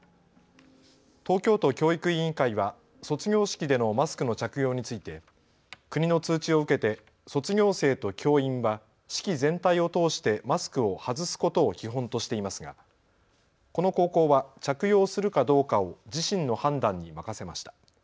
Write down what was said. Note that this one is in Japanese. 東京都教育委員会は卒業式でのマスクの着用について国の通知を受けて卒業生と教員は式全体を通してマスクを外すことを基本としていますがこの高校は着用するかどうかを自身の判断に任せました。